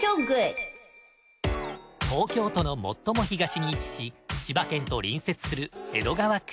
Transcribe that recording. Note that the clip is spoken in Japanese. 東京都の最も東に位置し千葉県と隣接する江戸川区。